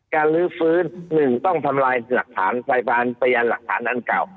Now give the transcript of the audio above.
ลื้อฟื้น๑ต้องทำลายหลักฐานพยานหลักฐานอันเก่า